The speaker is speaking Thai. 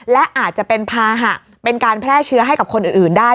และอาจจะเป็นภาหะเป็นการแพร่เชื้อให้กับคนอื่นได้